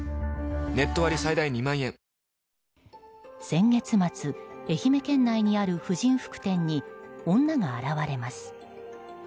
先月末、愛媛県内にある婦人服店に女が現れます。